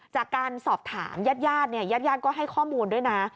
จากการสอบถามยาดก็ให้ข้อมูลด้วยนะ